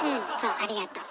ありがとう。